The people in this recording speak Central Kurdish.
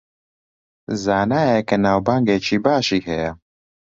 زانایەکە ناوبانگێکی باشی هەیە